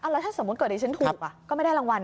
แล้วถ้าสมมุติเกิดดิฉันถูกก็ไม่ได้รางวัล